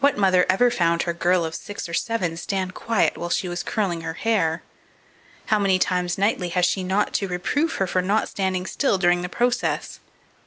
What mother ever found her girl of six or seven stand quiet while she was curling her hair? How many times nightly has she not to reprove her for not standing still during the process!